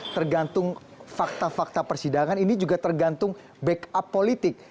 tergantung fakta fakta persidangan ini juga tergantung backup politik